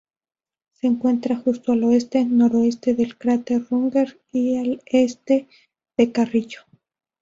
Se encuentra justo al oeste-noroeste del cráter Runge, y al este de Carrillo.